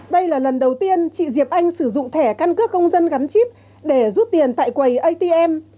đây là lần đầu tiên chị diệp anh sử dụng thẻ căn cước công dân gắn chip để rút tiền tại quầy atm